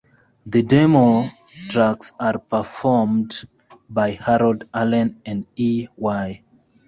The demo tracks are performed by Harold Arlen and E. Y.